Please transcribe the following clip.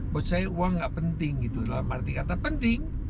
buat saya uang nggak penting gitu dalam arti kata penting